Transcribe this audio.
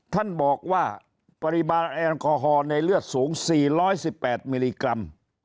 ท่านบอกว่าปริมาณแอลกอฮอล์ในเลือดสูง๔๑๘มิลลิกรัม